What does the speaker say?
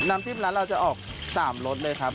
จิ้มร้านเราจะออก๓รสไหมครับ